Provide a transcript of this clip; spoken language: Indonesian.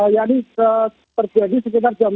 yang ini terjadi sekitar jam dua